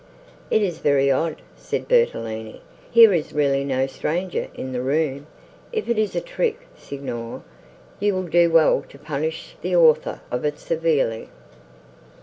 "It is very odd!" said Bertolini. "Here is really no stranger in the room. If it is a trick, Signor, you will do well to punish the author of it severely."